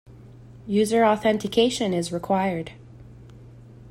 User authentication is required.